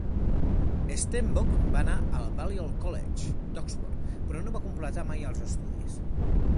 Stenbock va anar al Balliol College d'Oxford però no va completar mai els estudis.